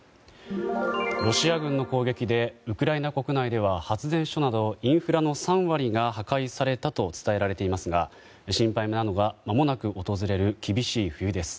ロシア軍の攻撃でウクライナ国内では、発電所などインフラの３割が破壊されたと伝えられていますが心配なのがまもなく訪れる厳しい冬です。